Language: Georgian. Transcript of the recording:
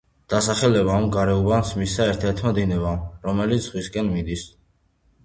დასახელება ამ გარეუბანს მისცა ერთ-ერთმა დინებამ, რომელიც ზღვისკენ მიდის.